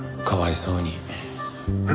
かわいそうに。